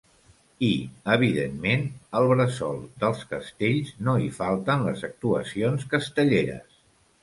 I evidentment, al bressol dels castells no hi falten les actuacions castelleres.